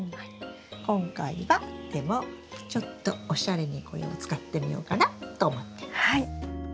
今回はでもちょっとおしゃれにこれを使ってみようかなと思ってます。